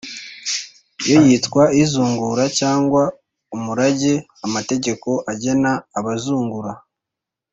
yo yitwa izungura cyangwa umurage. amategeko agena abazungura